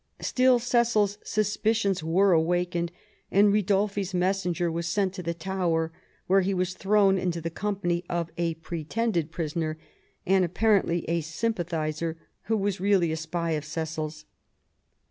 Still Cecil's sus picions were awakened, and Ridolfi's messenger was sent to the Tower, where he was thrown into the company of a pretended prisoner, and apparently a sympathiser, who was really a spy of Cecil's.